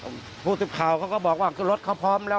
แบบอย่างนี้น้องมันก็บอกว่าพูดทุกข่าวเขาก็บอกว่าคือรถเขาพร้อมแล้ว